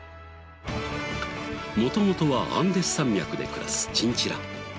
元々はアンデス山脈で暮らすチンチラ。